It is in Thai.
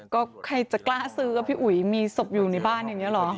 ก็ใครจะกล้าซื้ออะพี่อุ๋ยมีศพอยู่ในบ้านอย่างนี้เหรอ